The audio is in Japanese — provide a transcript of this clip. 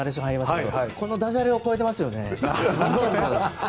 このダジャレを超えていますよね。